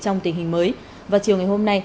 trong tình hình mới và chiều ngày hôm nay